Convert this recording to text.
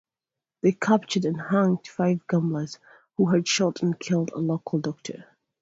They captured and hanged five gamblers who had shot and killed a local doctor.